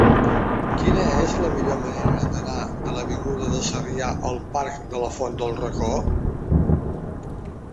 Quina és la millor manera d'anar de l'avinguda de Sarrià al parc de la Font del Racó?